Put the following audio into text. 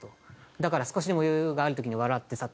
「だから少しでも余裕がある時に笑ってさ」と。